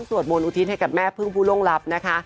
สวดมนต์อุทิศให้กับแม่พึ่งผู้ล่วงลับนะคะ